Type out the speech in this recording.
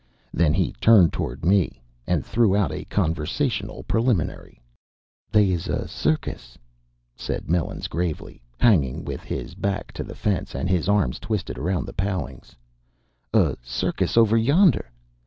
Then he turned toward me and threw out a conversational preliminary. "They is a cirkis" said Melons gravely, hanging with his back to the fence and his arms twisted around the palings "a cirkis over yonder!"